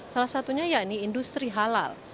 salah satunya yakni industri halal